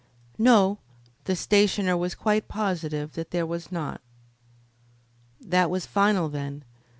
No, the stationer was quite positive that there was not. That was final, then.